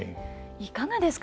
いかがですか？